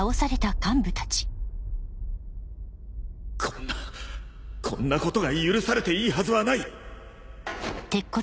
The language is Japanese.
・こんなこんなことが許されていいはずはない！